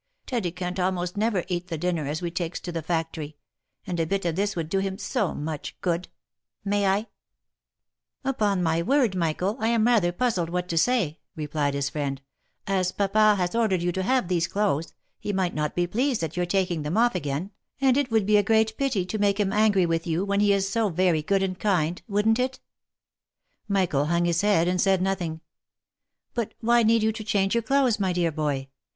Teddy can't almost never eat the dinner as we takes to the factory, and a bit of this would do him so much good !— May I V OF MICHAEL ARMSTRONG. 73 M Upon my word, Michael, I am rather puzzled what to say," re plied his friend ;" as papa has ordered you to have these clothes, he might not be pleased at your taking them off again, and it would be a great pity to make him angry with you when he is so very good and kind, wouldn't it?" Michael hung his head, and said nothing. " But why need you change your clothes, my dear boy?